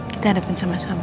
kita hadapin sama sama